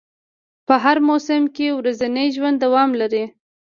په هر موسم کې ورځنی ژوند دوام لري